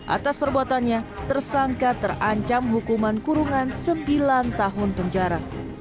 atas perbuatannya tersangka terancam hukuman kurungan sembilan tahun penjara